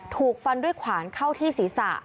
ถูกฟันด้วยขวานเข้าที่ศีรษะ